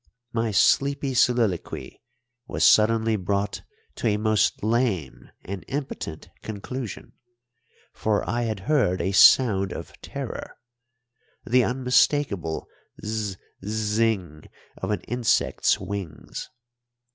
My sleepy soliloquy was suddenly brought to a most lame and impotent conclusion, for I had heard a sound of terror the unmistakable zz zzing of an insect's wings.